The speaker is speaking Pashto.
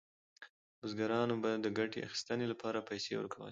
بزګرانو به د ګټې اخیستنې لپاره پیسې ورکولې.